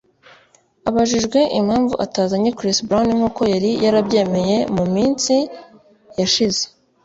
Abajijwe impamvu atazanye Chris Brown nk’uko yari yarabyemeye mu minsi yashize